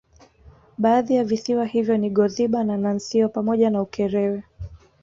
Baadhi ya visiwa hivyo ni Goziba na Nansio pamoja na Ukerewe